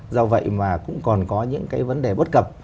do vậy mà cũng còn có những cái vấn đề bất cập